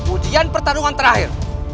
ujian pertarungan terakhir